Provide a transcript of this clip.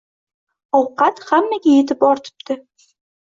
Ovqat hammaga yetib ortibdi.